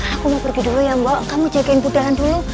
aku mau pergi dulu ya mbak kamu jagain budahan dulu